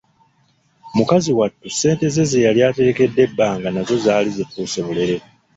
Mukazi wattu ssente ze ze yali aterekedde ebbanga nazo zaali zifuuse bulere.